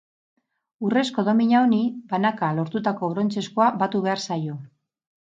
Urrezko domina honi banaka lortutako brontzezkoa batu behar zaio.